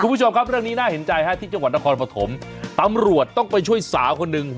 คุณผู้ชมครับเรื่องนี้น่าเห็นใจฮะที่จังหวัดนครปฐมตำรวจต้องไปช่วยสาวคนหนึ่ง